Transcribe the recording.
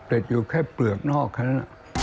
แต่อยู่แค่เปลือกนอกนั้น